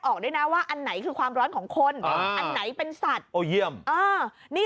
ออกด้วยนะว่าอันไหนคือความร้อนของคนอันไหนเป็นสัตว์โอเยี่ยม